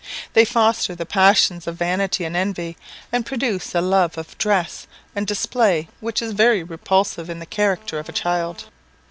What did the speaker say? They foster the passions of vanity and envy, and produce a love of dress and display which is very repulsive in the character of a child.